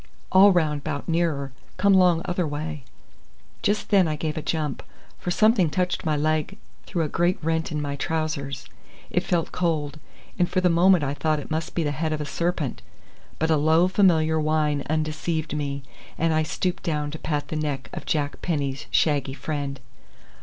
"All round bout nearer, come 'long other way." Just then I gave a jump, for something touched my leg through a great rent in my trousers. It felt cold, and for the moment I thought it must be the head of a serpent; but a low familiar whine undeceived me, and I stooped down to pat the neck of Jack Penny's shaggy friend.